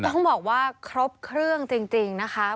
ต้องบอกว่าครบเครื่องจริงนะคะ